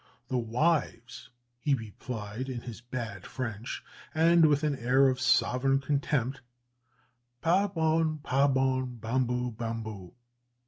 "The wives," he replied, in his bad French, and with an air of sovereign contempt, "_pas bon, pas bon, bambou, bambou!